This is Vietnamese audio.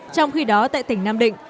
trong khi đó tại tỉnh nam định